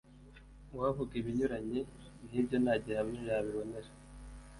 Uwavuga ibinyuranye n ibyo nta gihamya yabibonera